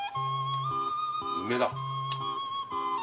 梅だ。